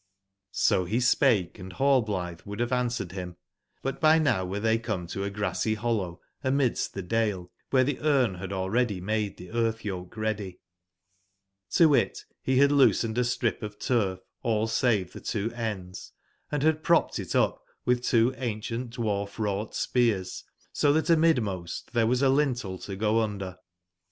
O he spake,& Rallblithe would have answer ed him, bu t by now were they come to a grassy hollow amidst the dale, where the Grn e had aU ready made the earth/yoke ready. XTo wit, he had loos ened astripof turf all savcthe two ends,&had prop ped it up with two ancient dwarf /wrought spears, 80 that amidmost there was a lintel to go under.